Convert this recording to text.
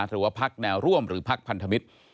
หรือว่าพักแนวร่วมหรือพักพันธมิตร